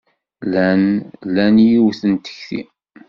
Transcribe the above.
Llan lan yiwet n tekti.